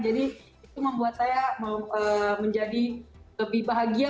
jadi itu membuat saya menjadi lebih bahagia